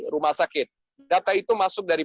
rumah sakit data itu masuk dari